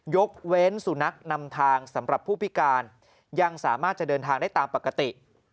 ยกเว้นสุนัขนำทางสำหรับผู้พิการยังสามารถจะเดินทางได้ตามปกติ